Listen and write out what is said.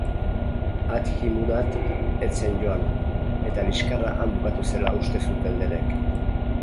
Hadji-Murat ez zen joan, eta liskarra han bukatu zela uste zuten denek.